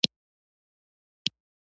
د ناروې د کډوالو شورا